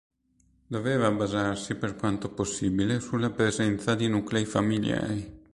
Doveva basarsi per quanto possibile sulla presenza di nuclei familiari.